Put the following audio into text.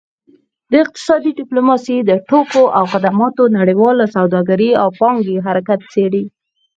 اقتصادي ډیپلوماسي د توکو او خدماتو نړیواله سوداګرۍ او پانګې حرکت څیړي